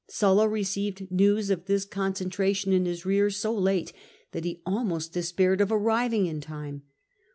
Sulla received news of this concentration in his rear so late that he almost despaired of arriving in time.